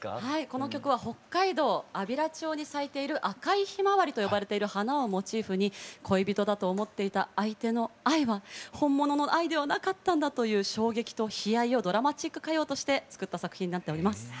この曲は北海道安平町に咲いている「赤いひまわり」と呼ばれている花をモチーフに恋人だと思っていた相手の愛は本物の愛ではなかったんだという衝撃と悲哀をドラマチック歌謡として作った作品になっております。